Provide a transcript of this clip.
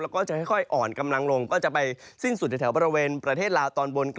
แล้วก็จะค่อยอ่อนกำลังลงก็จะไปสิ้นสุดในแถวบริเวณประเทศลาวตอนบน